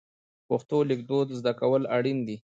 پښتو لیکدود زده کول اړین دي.